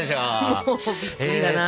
もうびっくりだな。